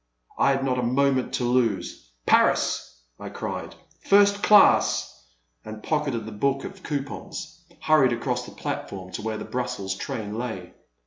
I had not a moment to lose. Paris! I cried, —first class !*' and, pocketing the book of cou pons, hurried across the platform to where the Brussels train lay.